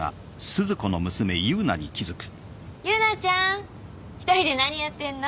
優奈ちゃん１人で何やってんの？